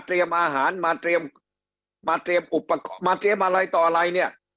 อาหารมาเตรียมมาเตรียมอุปกรณ์มาเตรียมอะไรต่ออะไรเนี่ย